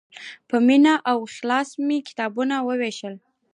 په مینه او اخلاص مې کتابونه ووېشل.